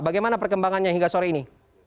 bagaimana perkembangannya hingga sore ini